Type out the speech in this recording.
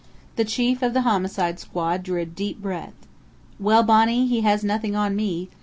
The chief of the Homicide Squad drew a deep breath. "Well, Bonnie, he has nothing on me.